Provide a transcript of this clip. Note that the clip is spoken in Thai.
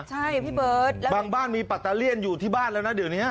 ใช่พี่เบิร์ตแล้วบางบ้านมีปัตตาเลี่ยนอยู่ที่บ้านแล้วนะเดี๋ยวนี้